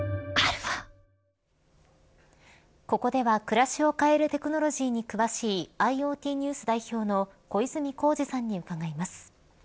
ここでは、暮らしを変えるテクノロジーに詳しいＩｏＴＮＥＷＳ代表の小泉耕二さんに伺います。